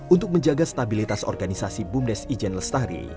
untuk menjaga stabilitas organisasi bumdes ijen lestari